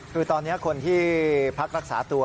คือตอนนี้คนที่พักรักษาตัว